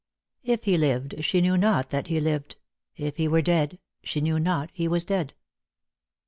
If he lived, She knew not that he lived ; if he were dead, She knew not he was dead."